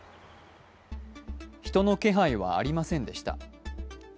人の気配はありませんでした。